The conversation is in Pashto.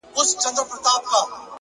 هوډ د لارې دوړې نه ویني,